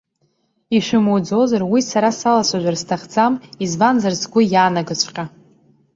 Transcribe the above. Ишәмуӡозар, уи сара салацәажәар сҭахӡам, избанзар, сгәы иаанагоҵәҟьа.